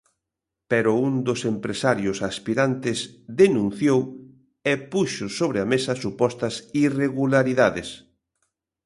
Pero un dos empresarios aspirantes denunciou e puxo sobre a mesa supostas irregularidades.